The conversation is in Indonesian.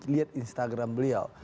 lihat instagram beliau